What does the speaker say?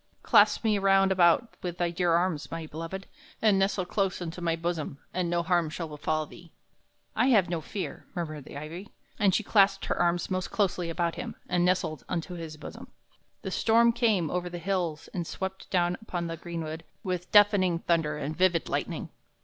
Clasp me round about with thy dear arms, my beloved, and nestle close unto my bosom, and no harm shall befall thee." "I have no fear," murmured the ivy; and she clasped her arms most closely about him and nestled unto his bosom. The storm came over the hills and swept down upon the greenwood with deafening thunder and vivid lightning.